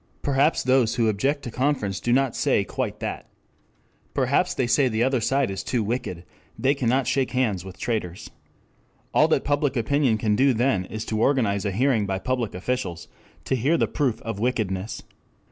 Perhaps those who object to conference do not say quite that. Perhaps they say that the other side is too wicked; they cannot shake hands with traitors. All that public opinion can do then is to organize a hearing by public officials to hear the proof of wickedness.